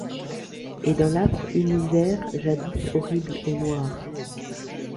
Et dans l’âpre univers, jadis horrible et noir